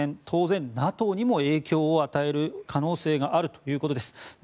当然、ＮＡＴＯにも影響を与える可能性があるということです。